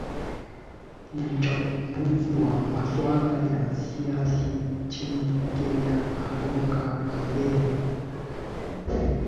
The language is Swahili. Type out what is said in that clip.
ni mchambuzi wa masuala ya siasa nchini kenya amboga andere